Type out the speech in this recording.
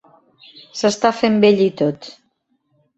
s'està fent vell i tot